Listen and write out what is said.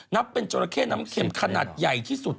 นับเป็นจราเข้น้ำเข็มขนาดใหญ่ที่สุด